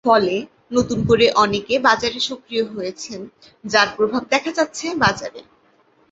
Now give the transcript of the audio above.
ফলে নতুন করে অনেকে বাজারে সক্রিয় হয়েছেন, যার প্রভাব দেখা যাচ্ছে বাজারে।